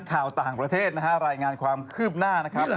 เขามาไม่ถึงชั่วโมงหนึ่งก็มาก่อนเดือน๑๕นาที